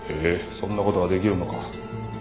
そんな事ができるのか？